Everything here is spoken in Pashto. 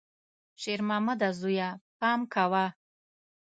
شېرمامده زویه، پام کوه!